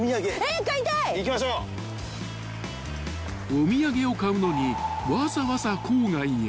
［お土産を買うのにわざわざ郊外へ？］